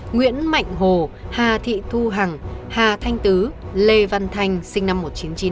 nguyễn mạnh hồ hà thị thu hằng hà thanh tứ lê văn thanh sinh năm một nghìn chín trăm chín mươi